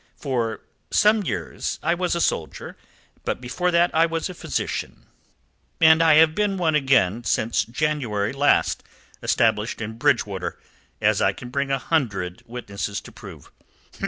For some years I was a soldier; but before that I was a physician, and I have been one again since January last, established in Bridgewater, as I can bring a hundred witnesses to prove."